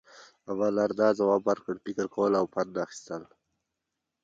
امالدرداء ځواب ورکړ، فکر کول او پند اخیستل.